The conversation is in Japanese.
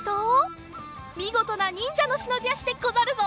みごとなにんじゃのしのびあしでござるぞ！